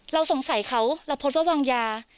เราสงสัยเขาเราโพสต์ว่าวางยา